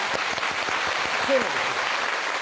そうなんですよ